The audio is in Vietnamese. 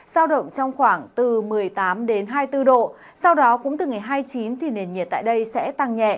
giao động trong khoảng từ một mươi tám hai mươi bốn độ sau đó cũng từ ngày hai mươi chín thì nền nhiệt tại đây sẽ tăng nhẹ